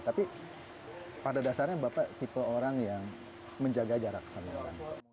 tapi pada dasarnya bapak tipe orang yang menjaga jarak sama orang